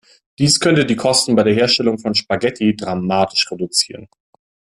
Dies könnte die Kosten bei der Herstellung von Spaghetti dramatisch reduzieren.